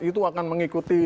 itu akan mengikuti